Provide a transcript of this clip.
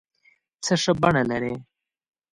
څه ښه بڼه لرې